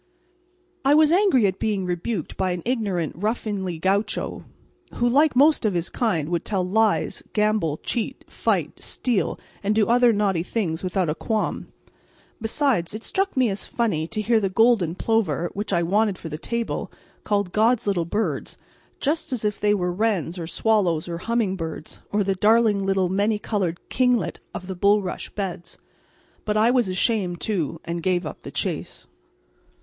I was angry at being rebuked by an ignorant ruffianly gaucho, who like most of his kind would tell lies, gamble, cheat, fight, steal, and do other naughty things without a qualm. Besides, it struck me as funny to hear the golden plover, which I wanted for the table, called "God's little birds," just as if they were wrens or swallows or humming birds, or the darling little many coloured kinglet of the bulrush beds. But I was ashamed, too, and gave up the chase.